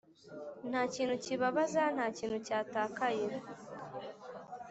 nta kintu kibabaza; nta kintu cyatakaye.